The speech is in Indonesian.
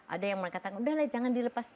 ada yang mengatakan udah lah jangan dilepas